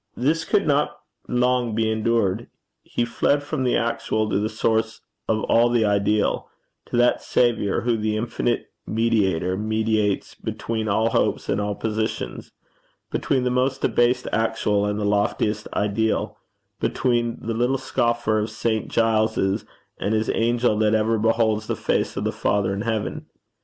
This could not long be endured. He fled from the actual to the source of all the ideal to that Saviour who, the infinite mediator, mediates between all hopes and all positions; between the most debased actual and the loftiest ideal; between the little scoffer of St. Giles's and his angel that ever beholds the face of the Father in heaven.